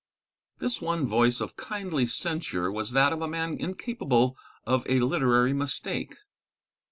This one voice of kindly censure was that of a man incapable of a literary mistake.